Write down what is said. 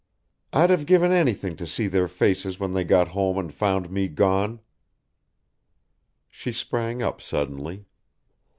I'd have given anything to see their faces when they got home and found me gone." She sprang up suddenly.